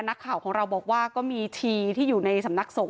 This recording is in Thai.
นักข่าวของเราบอกว่าก็มีทีที่อยู่ในสำนักสงฆ